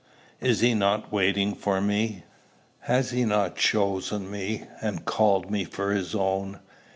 Is he not waiting for me? Has he not chosen me, and called me for his own?